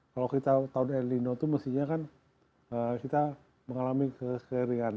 kalau kita tahun elino itu mestinya kan kita mengalami kekeringan